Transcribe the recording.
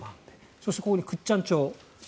そして、ここに倶知安町。